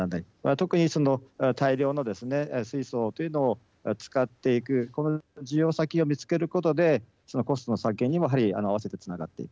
特に、その大量のですね水素というのを使っていくこの需要先を見つけることでそのコストの削減にもやはり合わせてつながっていく。